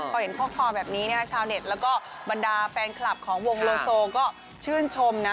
พอเห็นข้อความแบบนี้ชาวเน็ตแล้วก็บรรดาแฟนคลับของวงโลโซก็ชื่นชมนะ